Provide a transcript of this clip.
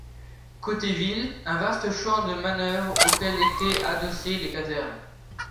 Côté ville, un vaste champ de manœuvre auquel étaient adossées les casernes.